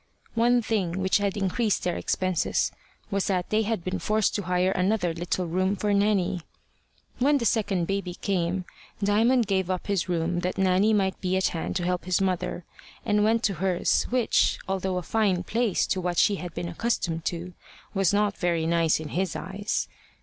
One thing which had increased their expenses was that they had been forced to hire another little room for Nanny. When the second baby came, Diamond gave up his room that Nanny might be at hand to help his mother, and went to hers, which, although a fine place to what she had been accustomed to, was not very nice in his eyes.